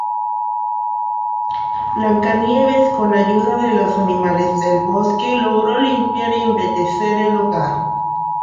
Blancanieves, con ayuda de los animales del bosque, logró limpiar y embellecer el hogar.